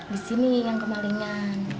di sini yang kemalingan